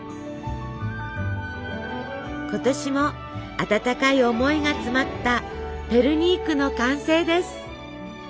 今年も温かい思いが詰まったペルニークの完成です。